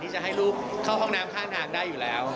จะให้ลูกเข้าห้องน้ำข้างทางได้อยู่แล้ว